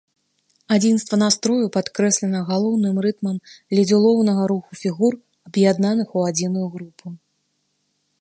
Адзінства настрою падкрэслена галоўным рытмам ледзь улоўнага руху фігур, аб'яднаных у адзіную групу.